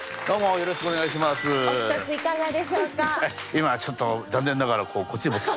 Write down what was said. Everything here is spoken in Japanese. どうも。